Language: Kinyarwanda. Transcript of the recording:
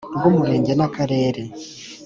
rw Umurenge n Akarere